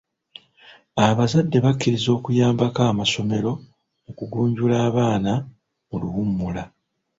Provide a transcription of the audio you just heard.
Abazadde bakkirizza okuyambako amasomero mu kugunjula abaana mu luwummula.